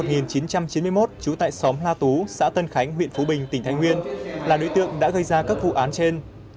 trú tại xóm na tú xã tân khánh huyện phú bình tỉnh thái nguyên là đối tượng đã gây ra các vụ án trên